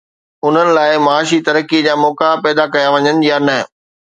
انهن لاءِ معاشي ترقي جا موقعا پيدا ڪيا وڃن يا نه؟